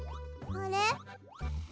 あれ？